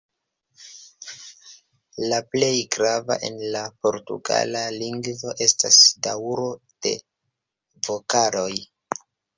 La plej grava en la portugala lingvo estas daŭro de vokaloj.